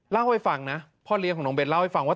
เล่าให้ฟังนะพ่อเลี้ยงของน้องเบนเล่าให้ฟังว่า